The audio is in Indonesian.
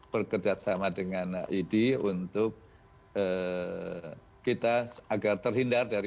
bekerjasama dengan idi untuk kita agar terhindar dari